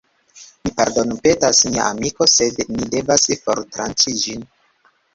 Mi pardonpetas, mia amiko sed ni devas fortranĉi ĝin